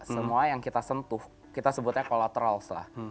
semua yang kita sentuh kita sebutnya kolaterals lah